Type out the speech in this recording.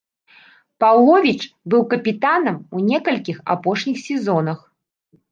Паўловіч быў капітанам у некалькіх апошніх сезонах.